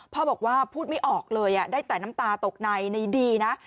พ่อบอกว่าพูดไม่ออกเลยได้แต่น้ำตาตกในในดีนะ